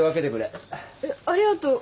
えっありがとう。